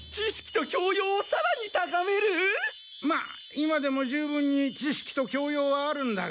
まあ今でも十分に知識と教養はあるんだが。